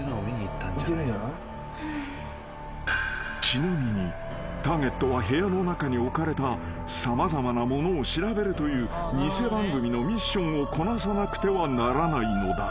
［ちなみにターゲットは部屋の中に置かれた様々なものを調べるという偽番組のミッションをこなさなくてはならないのだ］